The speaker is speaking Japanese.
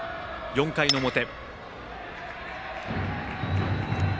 ４回の表。